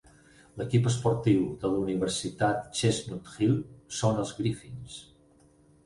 L'equip esportiu de la Universitat Chestnut Hill són els Griffins.